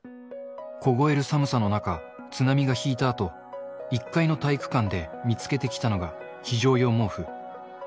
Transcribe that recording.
凍える寒さの中、津波が引いたあと、１階の体育館で見つけてきたのが非常用毛布。